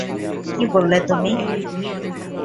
কি বললে তুমি?